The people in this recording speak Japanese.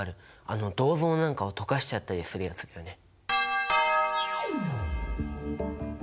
あの銅像なんかを溶かしちゃったりするやつだよね。